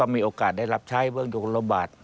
มีโอกาสได้รับใช้เวืองโดคฬัหลวมบาศ